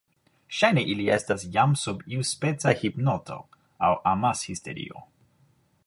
Ŝajne ili estas jam sub iuspeca hipnoto aŭ amashisterio.